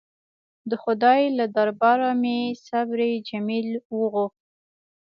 د خدای له درباره مې صبر جمیل وغوښت.